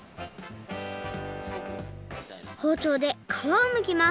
ほうちょうでかわをむきます